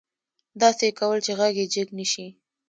داسې يې کول چې غږ يې جګ نه شي.